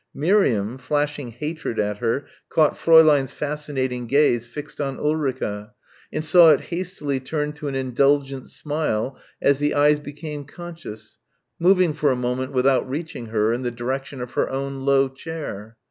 Miriam, flashing hatred at her, caught Fräulein's fascinated gaze fixed on Ulrica; and saw it hastily turn to an indulgent smile as the eyes became conscious, moving for a moment without reaching her in the direction of her own low chair.